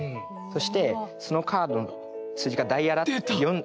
そしてそのカードの数字がダイヤの４とか。